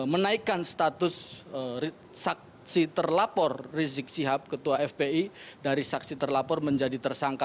menaikkan status saksi terlapor rizik sihab ketua fpi dari saksi terlapor menjadi tersangka